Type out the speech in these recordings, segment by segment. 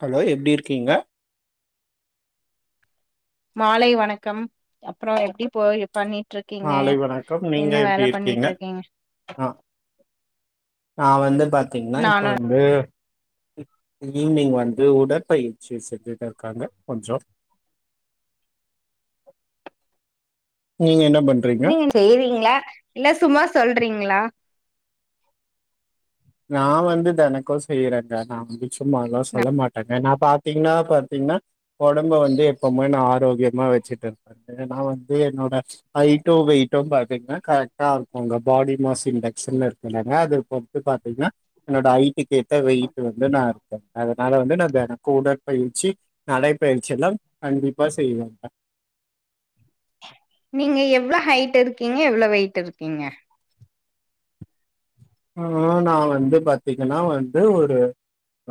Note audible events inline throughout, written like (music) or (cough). hello எப்டி இருக்கீங்க மாலை வணக்கம் அப்புறோ எப்டி போகுது பண்ணி மாலை வணக்கம் நீங்க எப்டி இருக்கீங்க ஆஹ் நா வந்து பாத்தீங்கன்னா இப்போ நானு வந்து இ ஈவினிங் வந்து உடற்பயிற்சி செஞ்சுட்டு இருக்காங்க கொஞ்சொ நீங்க என்னப் நீங்க செய்றீங்க்ளா இல்ல சும்மா சொல்றீங் (unintelligible) நா வந்து தெனக்கு செய்றேங்க நா வந்து சும்மா எல்லா சொல்ல மாட்டேங்க நா பாத்தீங்ன்னா பாத்தீங்ன்னா ஒடம்ப வந்து எப்பவுமே நா ஆரோக்கியமா வச்சுட்ருப்பே நா வந்து என்னோட ஹைட்டு வெயிட்டு பாத்தீங்ன்னா கரெக்டா இருக்குங்க பாடி மாஸ் இண்டக்ஷன்ல இருக்குங்க இல்லங்க அது பொட்டு பாத் திங்னா என்னோட ஹைட்டுக்கு ஏத்த வெயிட் வந்து நா இருக்கே அதனால வந்து நா தென உடற்பயிற்சி நடைப்பயிற்சி எல்லா கண்டிப்பா செய்வேங்க நீங்க எவ்வளோ ஹைட் இருக்கீங்க எவ்வளோ வெயிட் இருக்கீங்க ஆ நா வந்து பாத்தீங்கன்னா வந்து ஒரு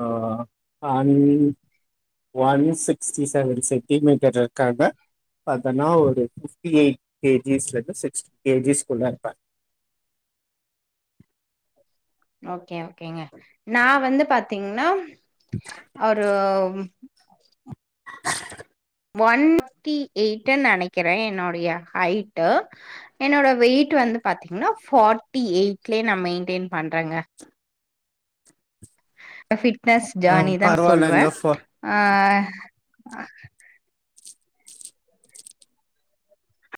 ஆ ஹன் ஒன் சிக்ஸ்டி செவன் சென்டிமீட்டர் இருக்காங்க பாத்தன்னா ஒரு ஃபிஃப்டி எயிட் கேஜிஸ்ல இருந்து சிக்ஸ்ட் கேஜிஸ் குள்ள இருப்பே ஓகே ஓகேங்க நா வந்து பாத்தீங்கன்னா ஒரு ஒன் ட்டி எயிட்டுன் நெனைக்கிறே என்னோடைய ஹைட்டு என்னோட வெயிட்டு வந்து பாத்தீங்கன்னா ஃபார்ட்டி எயிட்லயே நா மெயின்டெய்ன் பண்றேங்க ஃபிட்னஸ் ஆ ஜர்னி தா நா சொல்லுவே பரவாயில்லங்க ஃப ஆ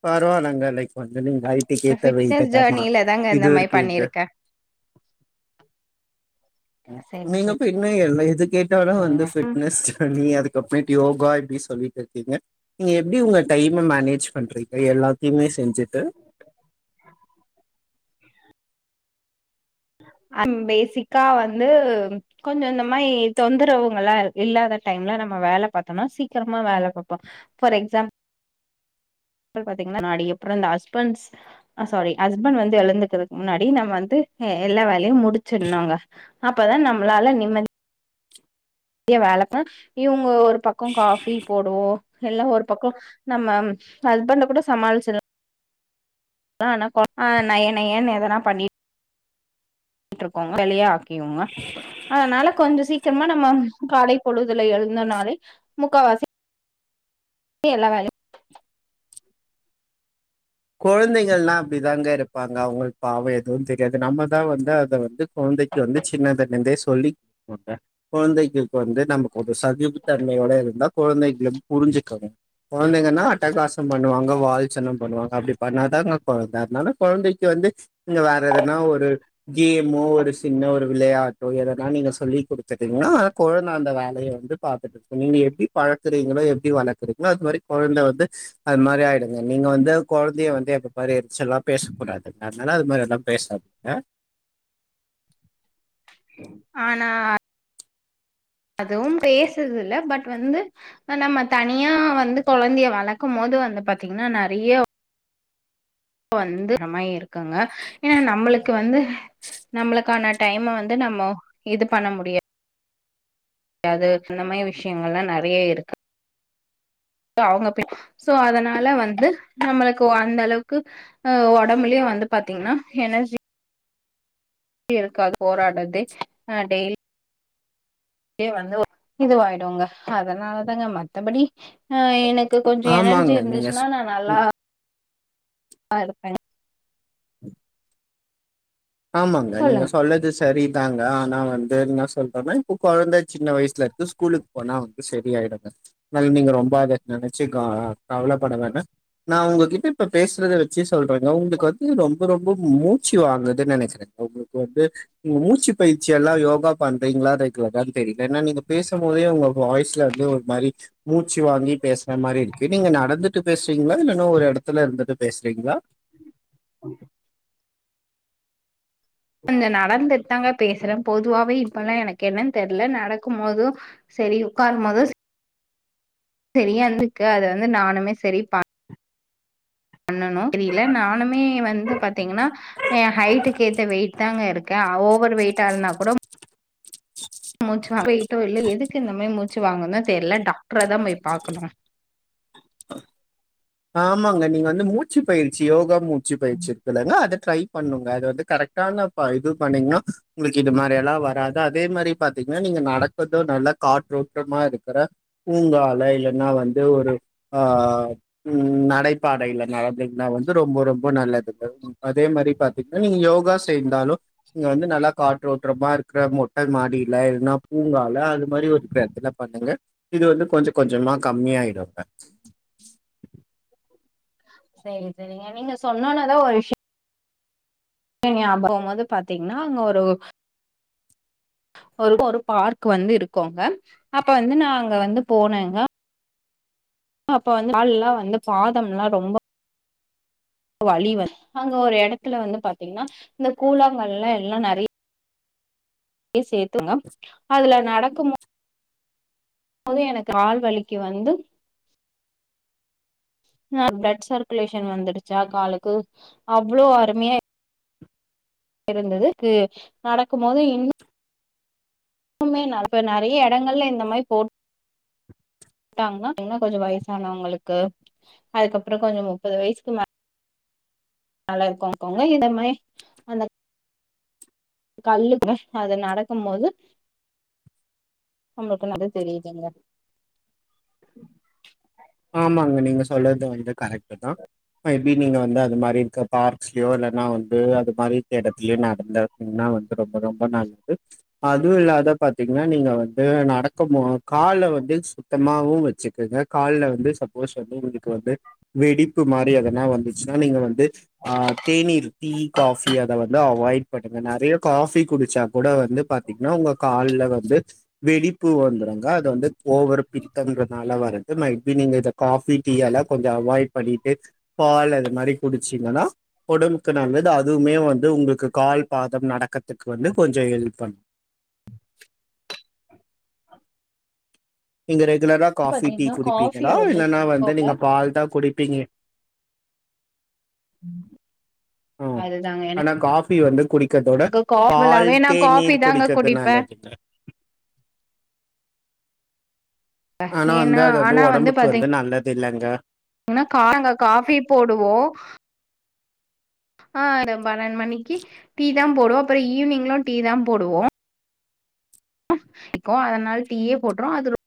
பரவால்லைங்க லைக் வந்து நீங் ஃபிட்னஸ் ஜேர்னில தாங்க இது இந்த மாரி இருக்கீங்க பண்ணிருக்கே சேரி நீங்க எப்ப என்ன எல்லா எது கேட்டாலு சேரிங்க வந்து ஃபிட்னஸ் ஜர்னி அதுக்கப்புறமேட்டு யோகா இப்பிடி சொல்லிட்டு இருக்கீங்க நீங்க எப்டி உங்க டைம மேனேஜ் பண்றீங்க எல்லாத்தையுமே செஞ்சுட்டு பேசிக்கா வந்து கொஞ்ச இந்த மாரி தொந்தரவுங்கலா இல்லாத டைம்ல நம்ம வேலை பாத்தோனா சீக்கிரமா வேல பாப்போ ஃபார் எக்ஸாம்பி பாத்தீங்னா முன்னாடி அப்புற இந்த ஹஸ்பண்ட்ஸ் சாரி ஹஸ்பண்ட் வந்து எழுந்துக்கறதுக்கு முன்னாடி நம்ம வந்து எல்லா வேலையு முடிச்சிருனுங்க அப்பதா நம்மளால நிம்மதி யா வேலை இவுங்க ஒரு பக்க காஃபி போடுவோ இல்ல ஒரு பக்க நம்ம ஹஸ்பண்ட கூட சமாளிச்சர் லா ஆனா ஆஹ் நய நயன்னு எதனா பண்ணிட்டு இருக்கோங்க வெளையா ஆக்கிவோங்க அதனால கொஞ்ச சீக்கிரமா நம்ம காலை பொழுதுல எழுந்தனாலே முக்காவாசி எல்லா வேலையு கொழந்தைகள்லா அப்பிடிதாங்க இருப்பாங்க அவங்களுக்கு பாவ எதுவு தெரியாது நம்மதா வந்து அத வந்து கொழந்தைக்கு வந்து சின்னதிலிருந்தே சொல்லி குழந்தைகளுக்கு வந்து நம ஒரு சகிப்புதன்மையோட இருந்தா குழந்தைங்கள புரிஞ்சுக்கணு குழந்தைங்கன்னா அட்டகாசம் பண்ணுவாங்க வால் சனம் பண்ணுவாங்க அப்படி பண்ணாதாங்க கொழந்த அதனால கொழந்தைக்கு வந்து நீங்க வேற எதனா ஒரு கேமோ ஒரு சின்ன ஒரு விளையாட்டோ எதனா நீங்க சொல்லிக் குடுத்துட்டீங்கன்னா ஆனா குழந்தை அந்த வேலைய வந்து பாத்துட்டுருக்கு நீங்க எப்பிடி பழக்கறீங்களோ எப்பிடி வளக்குறீங்களோ அது மாதிரி கொழந்தை வந்து அது மாதிரி ஆகிடுங்க நீங்க வந்து கொழந்தைய வந்து எப்ப பாரு எரிச்சலா பேசக் குடாது அதனால அது மாதிரி எல்லா பேசாதீங்க ஆனா அதுவும் பேசுது இல்ல பட் வந்து நம்ம தனியா வந்து கொழந்தைய வளக்கும் போது வந்து பாத்தீங்கன்னா நறைய வந்து அம்மாயி இருக்காங்க ஏன்னா நம்மளுக்கு வந்து நம்மளுக்கான டைம வந்து நம்ம இது பண்ண முடியா து அந்த மாரி விஷயங்கள்லா நறைய இருக்கு அவங்க போ சோ அதனால வந்து நம்மளுக்கு அந்த அளவுக்கு அ ஒடம்புலயே வந்து பாத்தீங்கன்னா எனர்ஜி இருக்காது போராட்றதே அ டெய் லி வந்து இதுவாயிடுங்க அதனாலதாங்க மத்தபடி ஆ எனக் க்கு கொஞ்சோ எனர்ஜி ஆமாங்க நீங்க இருந்துச்சுன்னா சொ நா நல்லா ம் ல்லா இருப்ப ஆமாங்க நீங்க சொல்லது சரிதாங்க ஆனா வந்து என்ன சொல்றேன்னா இப்ப கொழந்த சின்ன வயசுல இருந்து ஸ்கூலுக்கு போனா வந்து சரி ஆயிடுங்க அதனால நீங்க ரொம்ப அதை நெனைச்சு க கவல பட வேணா நா உங்ககிட்ட இப்ப பேசுனத வச்சு சொல்றேங்க உங்களுக்கு வந்து ரொம்ப ரொம்ப மூச்சு வாங்கு துனு நெனைக்கிறே உங்களுக்கு வந்து மூச்சு பயிற்சி எல்லா யோகா பண்றீங்களா ரெகுலரானு தெரில ஏனா நீங்க பேசும்போதே உங்க வாய்ஸ்ல வந்து ஒரு மாரி மூச்சி வாங்கி பேசுற மாரி இருக்கு நீங்க நடந்துட்டு பேசுவிங்களா இல்லன்னா ஒரு எடத்துல இருந்துட்டு பேசுறீங்களா (inaudible) கொஞ்சோ நடந்துட்டு தாங்க பேசுறேன் பொதுவாவே இப்பல்லா எனக்கு என்னன் தெர்ல நடக்கும் போதும் செரி உக்காரும் போது செரி செரியாந்துக்கு அத வந்து நானுமே செரிப்பன் பண்ணணு தெரியல நானுமே வந்து பாத்தீங்கன்னா ஏ ஹைட்டுக்கு ஏத்த வெயிட் தாங்க இருக்கே ஆ ஓவர் வெயிட் ஆலனா கூட மூச்சு வா போயிட்டோ இல்ல எதுக்கு இந்த மாரி மூச்சு வாங்குன்னு தெர்ல டாக்டரதா போய் பாக்கணு ஆமாங்க நீங்க வந்து மூச்சு பயிற்சி யோகா மூ ச்சு பயிற்சி இருக்கிளங்க அத ட்ரை பண்ணுங்க அது வந்து கரெக்டான பா இது பண்ணீங்கன்னா உங்களுக்கு இது மாரியா லா வராது அதே மாரி பாத்தீங்கன்னா நீங்க நடக்குறதோ நல்லா காற்றோட்டமா இருக்குற பூங்கால இல்லன்னா வந்து ஒரு ஆ ம் நடைப்பாடையில நடந்தீங்கன்னா வந்து ரொம்ப ரொம்ப நல்லதுங்க அதே மாரி பாத்தீங்கன்னா நீங்க யோகா சேந்தாலு இங்க வந்து நல்லா காற்றோட் ட்றமா இருக்குற மொட்டை மாடில இல்னா பூங்கா லா அது மாரி ஒரு ப்ராத்தன பண்ணுங்க இது வந்து கொஞ்சோ கொஞ்சமா கம்மியாயிடுங்க (inaudible) செரி செரிங்க நீங்க சொன்னோனதா ஒரு விஷ்யோ நீங்க அப்றோ போது பாத்தீங்கன்னா அங்க ஒரு ஒ ஒரு ஒரு பார்க் வந்து இருக்கோங்க அப்ப வந்து நா அங்க வந்து போனேங்க அப்ப வந்து ஆள்லா வந்து பாதம்லா ரொம்ப வலிவெ அங்க ஒரு எடத்துல வந்து பாத்தீங்கன்னா இந்த கூழாங்கள்லா எல்லா நெறைய றைய சேத்தோங்க அதுல நட நடக்குமோ அதுவு எனக் கால்வலிக்கு வந்து ஆ ஃப்ளட் சர்க்குலேஷன் வந்துடுச்சா காலுக்கு அவ்ளோ அருமையா இருந்ததுக்கு நடக்கும் போது இன்னு னுமே நல நெறையா எடங்கள்ல இந்த மாரி போட் போட்டாங்கன்னா என்ன கொஞ்சோ வயசானவங்களுக்கு அதுக்கப்பறோ கொஞ்சோ முப்பது வயசுக்கு மே நல்லா இருக்கு கோங்க இந்த மாரி அந்த கல்லுக்குங்க அது நடக்கும் போது நம்மளுக்கு (unintelligible) தெரியுதுங்க ஆமாங்கணே நீங்க சொல்றது வந்து கரெக்டுதா மேபி நீங்க வந்து அது மாரி இருக்க பார்க்ஸ்லயோ இல்லனா வந்து அது மாரி எடத்துலயோ நடந்ததனா வந்து ரொம்ப ரொம்ப நல்லது அதுவும் இல்லாத பாத்தீங்கன்னா நீங்க வந்து நடக்குமோ கால வந்து சு த்தமாவு வச்சு ங்க கால்ல வந்து சப்போஸ் வந்து இதுக்கு வந்து வெடிப்பு மாறி அத ன வந்துச்சுனா நீங்க வந்து ஆ தேநீர் டீ காஃபி அத வந்து அவாய்ட் பண்ணுங்க நெறைய காஃபி குடுச்சா கூட வந்து பாத்தீங்னா உங்க கால்ல வந்து வெடிப்பு வந்துரு ருங்க அது வந்து கோவர்ப் ங்கர்னால வர்றது மைட் பி நீங்க இத காஃபி டீ எல்லா கொஞ்சோ அவாய்ட் பண்ணிட்டு பால் அது மாரி குடுச்சீங்கனா ஒடம்புக்கு நல்ல து அதுவுமே வந்து உங்குளுக்கு கால் பாதம் நடக்கர்துக்கு வந்து கொஞ்சோ ஹெல்ப் பண்ணு இங்க ரெ குலெரா காஃபி டீ பாத்தீங்கன்னா காஃபி குடிப்பீங்களா ரொம்ப இல்லினா வந்து புடிக்குங்க நீங்க பால் தா குடி பீங்க அதுதாங்க என பி வந்து குடி க்கதோட பால் காஃபி தேநீர் தாங்க குடிக்கற்து குடிப்பே நல்லதுங்க ஆனா வந்த ஏன்னா அது வந்து ஒடம்புக்கு வந்து நல்ல தில்லங்க ஏன்னா காலங் காஃபி போடுவோ ஆ ரு பன்னெண்டு மணிக்கு டீ தாம் போடுவோ அப்புற ஈவ்னிங்லு டீ தா போடுவோ அதனால டீயே போட்டுரோ அது ரொ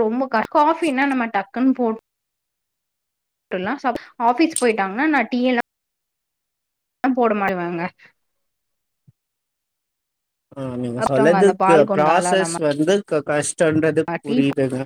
ரொம்பகஷ் காஃபினா நம்ம டக்குன் போட்டுல்லா ஸ ஆஃபீஸ் போயிட்டாங்கனா நா டீயெல்லா போட (unintelligible) வாங்க ஆமாங்க சொல்லறதுக்கு பால் கொண்டாலா ஃபுராசஸ் நம்ம வந்து க்க்ற ஃபு சொல்றது டீ புரியிதுங்க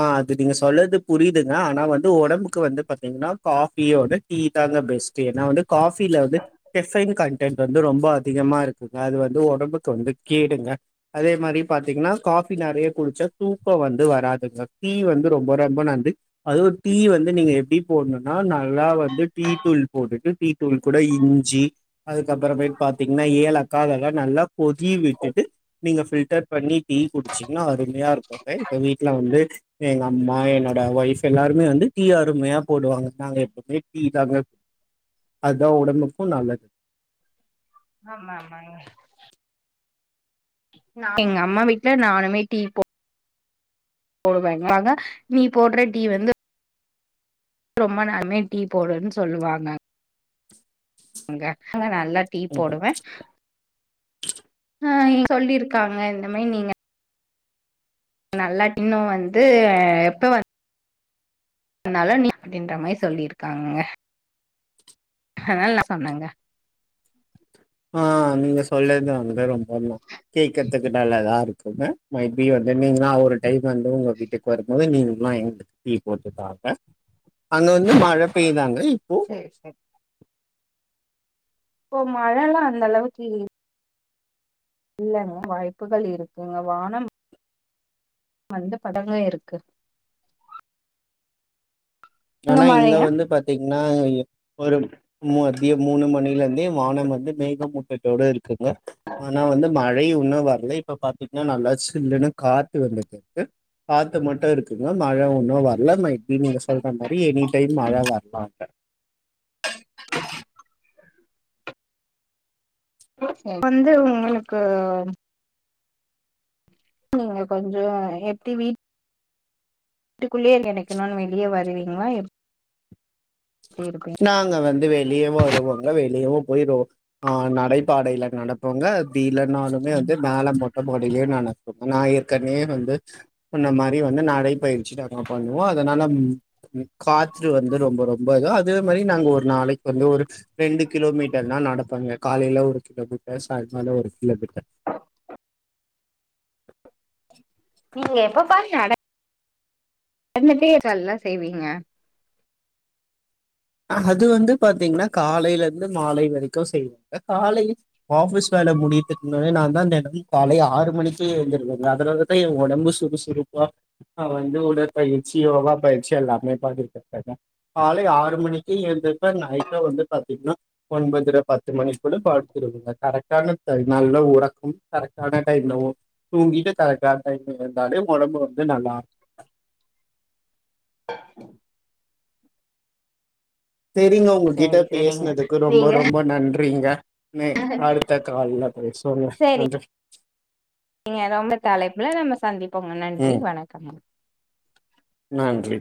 ஆ அ நீங்க சொல்லது புரியுதுங்க ஆனா வந்து ஒடம்புக்கு வந்து பாத்தீங்கனா காஃபியொட டீ தாங்க பெஸ்ட்டு ஏன்னா வந்து காஃபில வந்து கெஃபைன் கண்டென்ட் வந்து ரொம்ப அதிகமாருக் குங்க அது வந்து ஒடம்புக்கு வந்து கேடுங்க அதே மாரி பாத்தீங்னா காஃபி நெறைய குடுச்சா தூக்கொ வந்து வராதுங்க டீ வந்து ரொம்ப ரொம்ப நந்து அதுவு டீ வந்து நீங்க எப்டி போட்ணுனா நல்லா வந்து டீ தூள் போட்டுட்டு டீ தூள் கூட இஞ்சி அதுக்கப்பறமேட் பாத்தீங்னா ஏலக் காதெல்லா நல்லா கொதி விட்டுட்டு நீங்க ஃபில்டர் பண்ணி டீ குடிச்சீங்னா அருமையா இருக்குங்க இப்ப வீட்ல வந்து எங்க அம்மா என்னோட ஒய்ஃப் எல்லாருமே வந்து டீ அருமையா போடுவாங்க நாங்க எப்பமே டீ தாங்க அத்தா ஒடம்புக்கு நல்லது ஆமா ஆமாங்க நா எங்க அம்மா வீட்ல நானுமே டீ போ போடுவேங்க ஆனா நீ போடுற டீ வந்து ரொம்ப நாளுமே டீ போடுன்னு சொல்லுவாங்க ங்க நல்லா டீ போடுவே ஆ இங் சொல்லிருக்காங்க இந்த மாரி நீங்க நல்லா இன்னு வந்து எப்ப வ வந்தாலும் நீ அப்டின்ற மாரி சொல்லிருக்காங்க அதனால நா சொன்னங்க ஆஹ் நீங்க சொல்லறது அந்த ரொம்ப கேக்றதுக்கு நல்லதா ங்க மேபி வந்து நீங்காம் ஒரு டைம் வந்து உங்க வீட்டுக்கு வரும்போது நீங்கெல்லா எங்களுக்கு டீ போட்டு தாங்க அங்க வந்து மழ பெய்தாங்க இப்போ சேரி இப்ப மழல்லா அந்த அளவுக்கு இல்லங் இல்லங்க வாய்ப்புகள் இருக்குங்க வானம் வந்து படங்க இருக்கு அங்க ஆனா இங்க மழையா வந்து பாத்தீங் நா ஒரு (unintelligible) மூணு மணில ருந்தே வானம் வந்து மேகமூட்டத்தோடு இருகுங்க ஆனா வந்து மா மழை இன்னு வர்லை இப்ப பாத்தீங்கன்னா நல்லா சில்லுன்னு காத்து வந்துட்ருக்கு காத்து மட்டு இன்னு மழ இன்னு வரல மே பி நீங்க சொ பி எனி டைம் மழா வர்லா வந்து உங்களுக்கு நீங்க கொஞ்சோ எப்டி வீட் வீட்டுக்குள்ளேயே கெடக்கணும்னு வெளியே வருவீங்களா எ நாங்க வந் வெளியே வருவோங்க வெளியவு போய் ரோ ஆஹ் நடைபாடைல நடப்போங்க அப்டி இல்லன்னாலுமே வந்து மேல மொட்ட மாடியிலய நடப்போ ஆனா ஏற்கனவே வந்து சொன்ன மாரி வந்து நடைப்பயிற்சி நாங்க பண்ணுவோ அதனால காற்று வந்து ரொம்ப ரொம்ப இத அதே மாரி நாங்க ஒரு நாளைக்கு வந்து ஒரு ரெண்டு கிலோமீட்டர் நா நடப்பங்க காலைல ஒரு கிலோமீட்டர் சாய்கால ஒரு கிலோமீட்டர் நீங்க எப்ப பாரு நடந்துட்ட (inaudible) சொல்ல செய்வீங்க அது வந்து பாத்தீங்ன்னா காலைல ந்து மாலை வரைக்கும் செய்வாங்க காலை ஆபீஸ் வேல முடித்துனனே நான் தான் தினம காலை ஆறு மணிக்கு எழுந்துசிருவங்க அதனாலதான் எ ஒடம்பு சுறுசுறுப்பா ஹ் வந்து உடற்பயிற்சி யோகா பயிற்சி எல்லாமே பாத்துட் ருக்காங்க காலை ஆறு மணிக் இருந்த பே நைட்டா வந்து பாத்தீங்ன்னா ஒன்பதுல பத்து மணிக்குள்ள படுத்துருவங்க கரெக்டான நல்ல உறக்கம் கரெக்டான டைம்லவும் தூங்கிட்டு கரெக்டான டைம்ல இருந்தாலே ஒடம்பு வந்து நல்லா இரு செரிங்க உங்ககிட்ட சரி சரிங்க பேசுனதுக்கு ரொம்ப ரொம்ப நன்றிங்க நெ அடுத்த கால்ல பேசுவோங்க செரி நன்றி நீங்க ரொம்ப தலைப்புல நம்ம சந்திப்போங்க நன்றி ம் வணக்கம் நன்றி